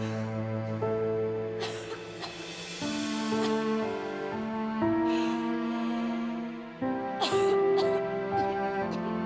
terima kasih intan